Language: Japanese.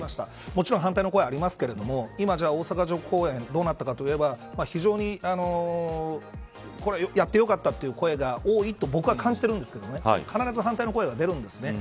もちろん反対の声はありますが今、大阪城公園どうなったかといえば非常にこれは、やってよかったという声が多いと僕は感じてるんですけど必ず反対の声が出るんですね。